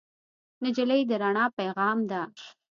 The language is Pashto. نجلۍ د رڼا پېغام ده.